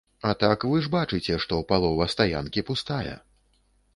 А так, вы ж бачыце, што палова стаянкі пустая.